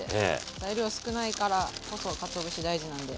材料少ないからこそかつお節大事なんで。